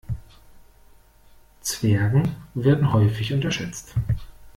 Zwergen werden häufig unterschätzt.